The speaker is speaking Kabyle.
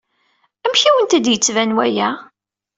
Amek i awent-d-yettban waya?